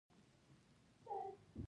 خوړل د خوب لپاره تیاري ده